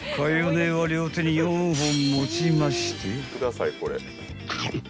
姉は両手に４本持ちまして］